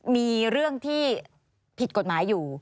มีเรื่องที่ผิดกฎหมายอยู่